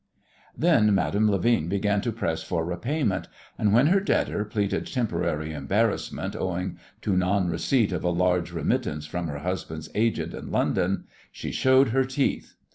Then Madame Levin began to press for repayment, and when her debtor pleaded temporary embarrassment owing to non receipt of a large remittance from her husband's agent in London she showed her teeth.